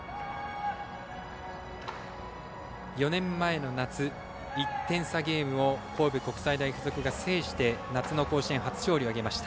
４年前の夏、１点差ゲームを神戸国際大付属が制して夏の甲子園、初勝利を挙げました。